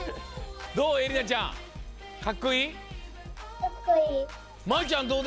どうえりなちゃん